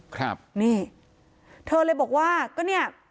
ครับนี่เธอเลยบอกว่าก็เนี่ย